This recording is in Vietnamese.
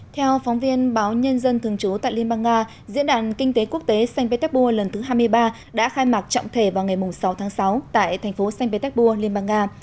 theo phóng viên báo nhân dân thường trú tại liên bang nga diễn đàn kinh tế quốc tế saint petersburg lần thứ hai mươi ba đã khai mạc trọng thể vào ngày sáu tháng sáu tại thành phố saint petersburg liên bang nga